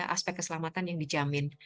aspek keselamatan yang dijamin